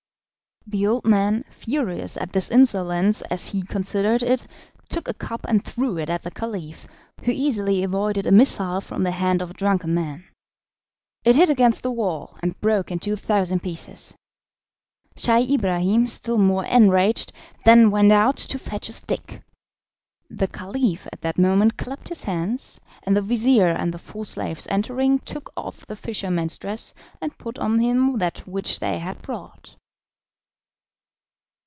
The old man, furious at this insolence as he considered it, took a cup and threw it at the Caliph, who easily avoided a missile from the hand of a drunken man. It hit against the wall, and broke into a thousand pieces. Scheih Ibrahim, still more enraged, then went out to fetch a stick. The Caliph at that moment clapped his hands, and the vizir and the four slaves entering took off the fisherman's dress and put on him that which they had brought.